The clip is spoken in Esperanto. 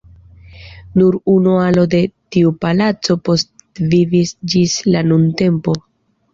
Nur unu alo de tiu palaco postvivis ĝis la nuntempo.